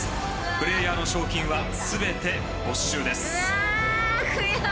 プレイヤーの賞金は全て没収です。